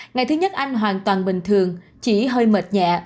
ngày thứ nhất anh hoàn toàn bình thường chỉ hơi mệt nhẹ